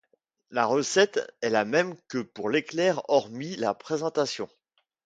La recette est la même que pour l'éclair hormis la présentation.